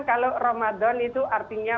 kalau ramadan itu artinya